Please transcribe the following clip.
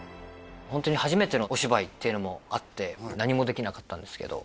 ホントに初めてのお芝居っていうのもあって何もできなかったんですけど